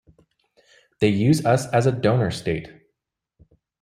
They use us as a donor state.